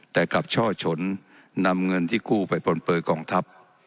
แต่กลับช่อชนนำเงินที่กู้ไปปนเปยกองทัพ